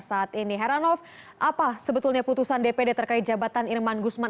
saat ini heranov apa sebetulnya putusan dpd terkait jabatan irman gusman